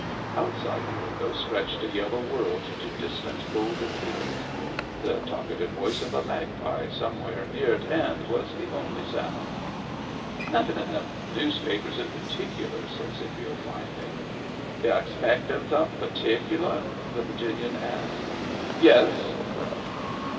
Outside the window stretched a yellow world to distant golden hills. The talk ative voice of a magpie somewhere near at hand was the only sound. " Nothing in the newspapers in particular," said Scipio, finally. "You expaictin' something particular.?" the Virginian asked. "Yes."